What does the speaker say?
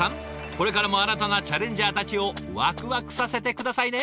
これからも新たなチャレンジャーたちをワクワクさせて下さいね。